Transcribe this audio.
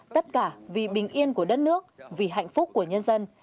tất cả vì bình yên của đất nước vì hạnh phúc của nhân dân